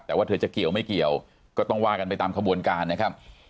แต่ว่าเธอจะเกี่ยวไม่เกี่ยวก็ต้องว่ากันไปตามขบวนการนะครับ